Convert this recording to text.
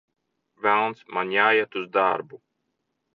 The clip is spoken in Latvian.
Velns, man jāiet uz darbu!